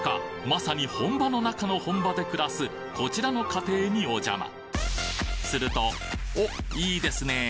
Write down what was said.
まさに本場の中の本場で暮らすこちらの家庭にお邪魔するとおっいいですねぇ！